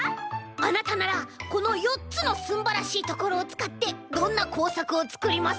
あなたならこのよっつのすんばらしいところをつかってどんなこうさくをつくりますか？